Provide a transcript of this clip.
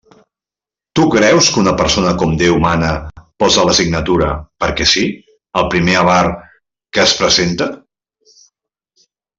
Tu creus que una persona com Déu mana posa la signatura, perquè sí, al primer avar que es presenta?